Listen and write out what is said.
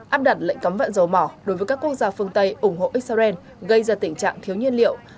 áp đặt lệnh cấm vận dầu mỏ đối với các quốc gia phương tây ủng hộ israel gây ra tình trạng thiếu nhiên liệu